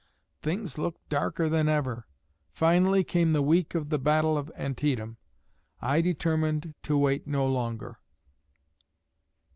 Things looked darker than ever. Finally, came the week of the battle of Antietam. I determined to wait no longer.